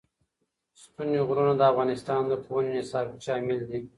ستوني غرونه د افغانستان د پوهنې نصاب کې شامل دي.